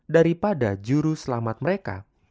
daripada juru selamat mereka